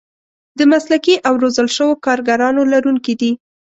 د مسلکي او روزل شوو کارګرانو لرونکي دي.